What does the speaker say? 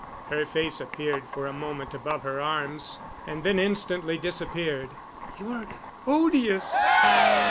Her face appeared for a moment above her arms and then instantly disappeared. "You're odious!"